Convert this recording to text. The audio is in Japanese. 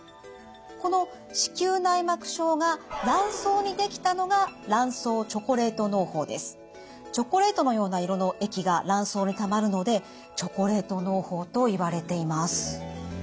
この子宮内膜症が卵巣に出来たのがチョコレートのような色の液が卵巣にたまるのでチョコレートのう胞といわれています。